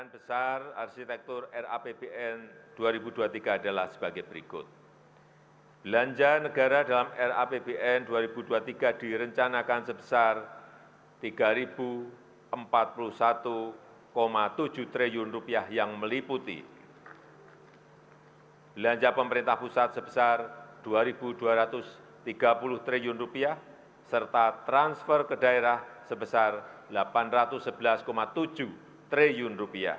belanja pemerintah pusat sebesar rp dua dua ratus tiga puluh triliun serta transfer ke daerah sebesar rp delapan ratus sebelas tujuh triliun